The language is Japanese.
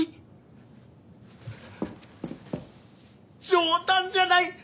冗談じゃない！